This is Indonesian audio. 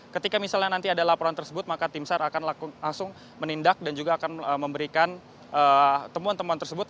ketika misalnya nanti ada laporan tersebut maka tim sar akan langsung menindak dan juga akan memberikan temuan temuan tersebut